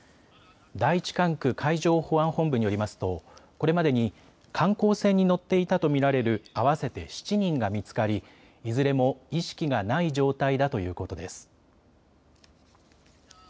第１管区海上保安本部によりますとこれまでに観光船に乗っていたと見られる合わせて７人が見つかり、いずれも意識がない状態だということです。